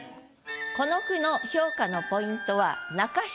この句の評価のポイントは中七。